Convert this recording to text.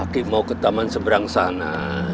aki mau ke taman seberang sana